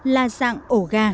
là dạng ổ gà